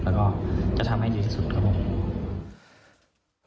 แล้วก็จะทำให้ดีที่สุดครับผม